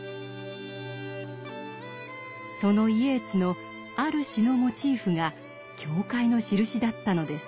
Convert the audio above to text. そのイェーツのある詩のモチーフが教会のしるしだったのです。